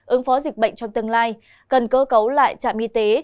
ứng phó dịch bệnh trong tương lai cần cơ cấu lại trạm y tế